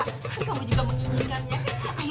kamu juga menginginkannya